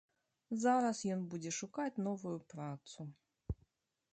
Зараз ён будзе шукаць новую працу.